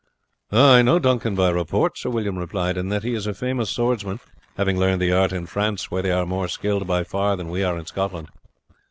"I know Duncan by report," Sir William replied, "and that he is a famous swordsman, having learned the art in France, where they are more skilled by far than we are in Scotland.